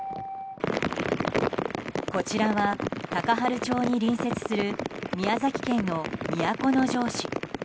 こちらは高原町に隣接する宮崎県の都城市。